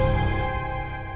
tidak jangan liat